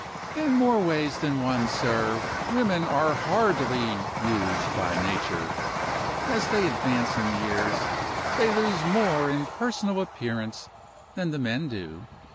"In more ways than one, sir, women are hardly used by Nature. As they advance in years they lose more in personal appearance than the men do.